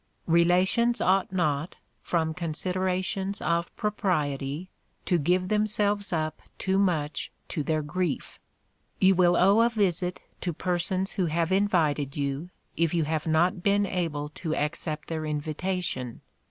Relations ought not, from considerations of propriety, to give themselves up too much to their grief. You will owe a visit to persons who have invited you, if you have not been able to accept their invitation.